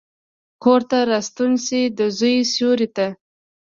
کورته راستون شي، دزوی سیورې ته،